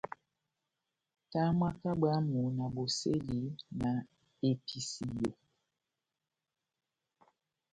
Tamwaka bwámu na bosɛli na episiyo.